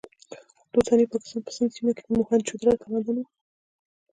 د اوسني پاکستان په سند سیمه کې د موهنجو دارو تمدن و.